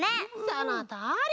そのとおり！